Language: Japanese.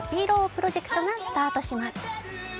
プロジェクトがスタートします。